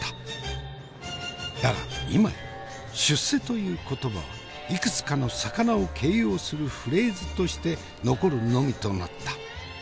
だが今や出世という言葉はいくつかの魚を形容するフレーズとして残るのみとなった。